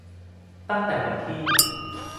ตั้งแต่วันที่